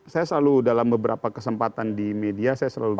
saya selalu dalam beberapa kesempatan di media saya selalu bilang